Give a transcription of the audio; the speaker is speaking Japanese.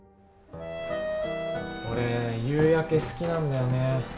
俺夕焼け好きなんだよね。